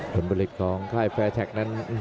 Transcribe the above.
ผลบริกองค่ายแฟร์เทคนั้น